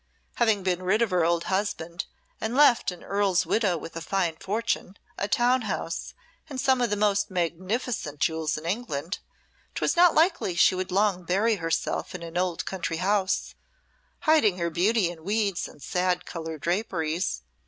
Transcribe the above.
Having been rid of her old husband and left an earl's widow with a fine fortune, a town house, and some of the most magnificent jewels in England, 'twas not likely she would long bury herself in an old country house, hiding her beauty in weeds and sad coloured draperies.